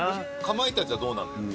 かまいたちはどうなの？